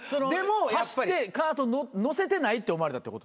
走ってカート乗せてないって思われたってことですか？